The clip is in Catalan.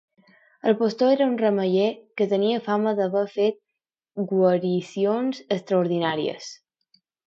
El pastor era un remeier que tenia fama d'haver fet guaricions extraordinàries.